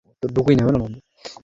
এটা আমাকে কামড়েছে!